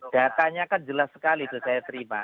datanya kan jelas sekali itu saya terima